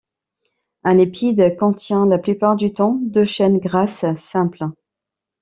Un lipide contient, la plupart du temps, deux chaines grasses simples.